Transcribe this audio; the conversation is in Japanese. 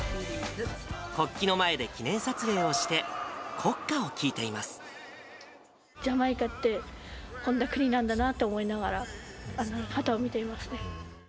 国旗の前で記念撮影をして、ジャマイカって、こんな国なんだなと思いながら、あの旗を見ていますね。